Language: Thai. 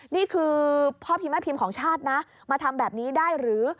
นี่คือพ่อพิมพ์แม่พิมพ์ของชาตินะมาทำแบบนี้ได้หรือ